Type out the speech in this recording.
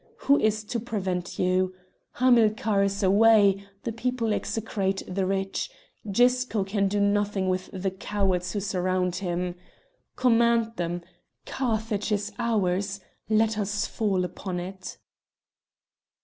Who is to prevent you? Hamilcar is away; the people execrate the rich; Gisco can do nothing with the cowards who surround him. Command them! Carthage is ours; let us fall upon it!"